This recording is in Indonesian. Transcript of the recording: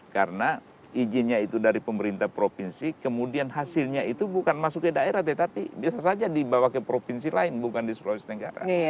karena izinnya itu dari pemerintah provinsi kemudian hasilnya itu bukan masuk ke daerah tetapi bisa saja dibawa ke provinsi lain bukan di seluruh negara